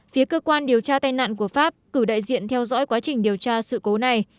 phía cơ quan điều tra tai nạn của pháp cử đại diện theo dõi quá trình điều tra sự cố này